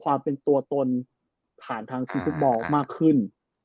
ความเป็นตัวตนผ่านทางทีมฟุตบอลมากขึ้น